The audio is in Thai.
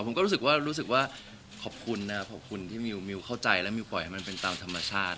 ผมก็รู้สึกว่ารู้สึกว่าขอบคุณนะครับขอบคุณที่มิวเข้าใจแล้วมิวปล่อยให้มันเป็นตามธรรมชาติ